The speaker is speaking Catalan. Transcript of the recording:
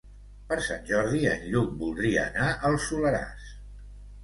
Per Sant Jordi en Lluc voldria anar al Soleràs.